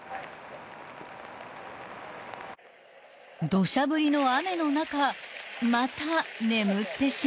［土砂降りの雨の中また眠ってしまった］